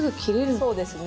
そうですね。